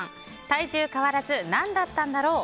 体重変わらず何だったんだろう。